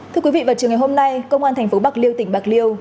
thưa quý vị vào trường ngày hôm nay công an thành phố bạc liêu tỉnh bạc liêu